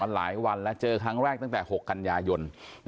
หลายวันแล้วเจอครั้งแรกตั้งแต่๖กันยายน